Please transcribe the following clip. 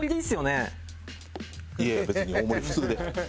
いやいや別に大盛り普通で。